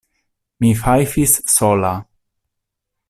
Mi fajfis sola.